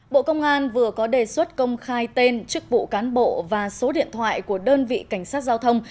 bộ công an vừa có đề xuất công khai tên chức vụ cán bộ và số điện thoại của đơn vị cảnh sát giao thông